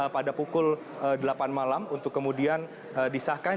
pada pukul delapan malam untuk kemudian disahkan